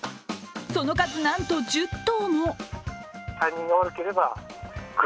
その数なんと１０頭も。